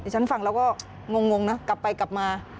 ฉันฟังแล้วก็งงนะกลับไปกลับมา